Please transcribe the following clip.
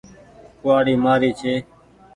ڪوُوآڙي مآري ڇي ۔